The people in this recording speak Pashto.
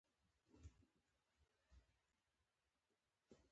له باکلتوره سړي غوښتنه شوې چې پیاز ونه خوري.